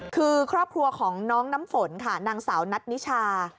คือครอบครัวของน้องน้ำฝนค่ะนางสาวนัทนิชา